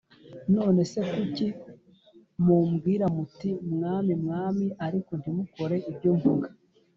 None se kuki mumbwira muti mwami mwami ariko ntimukore ibyo mvuga